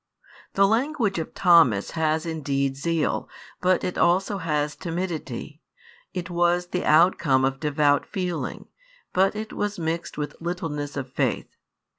The language of Thomas has indeed zeal, but it also has timidity; it was the outcome of devout feeling, but it was mixed with littleness of faith.